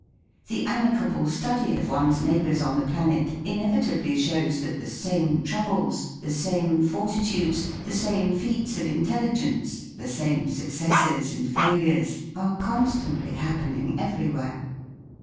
The amicable study of one's neigh bours on the planet inevitably shows that the same troubles, the same forti tudes, the same feats of intelligence, the same successes and failures, are constantly happening everywhere.